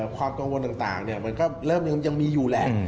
ความกังวลต่างยังมีอยู่แหละ